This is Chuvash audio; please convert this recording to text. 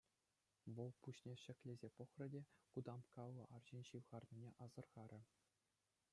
Вӑл пуҫне ҫӗклесе пӑхрӗ те кутамккаллӑ арҫын ҫывхарнине асӑрхарӗ.